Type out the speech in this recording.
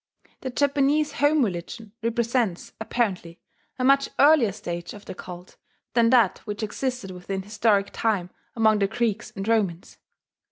The Japanese home religion represents, apparently, a much earlier stage of the cult than that which existed within historic time among the Greeks and Romans.